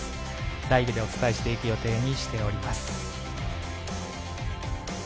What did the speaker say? ライブでお伝えしていく予定にしております。